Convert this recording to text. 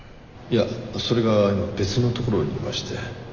いやそれが今別の所にいまして。